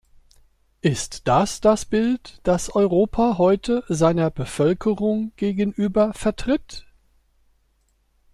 Ist das das Bild, das Europa heute seiner Bevölkerung gegenüber vertritt?